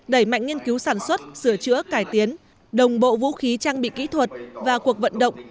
đẩy mạnh nghiên cứu sản xuất sửa chữa cải tiến đồng bộ vũ khí trang bị kỹ thuật và cuộc vận động